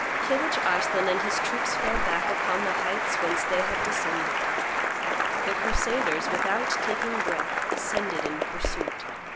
Kilidge Arslan and his troops fell back upon the heights whence they had descended. The crusaders, without taking breath, ascended in pursuit.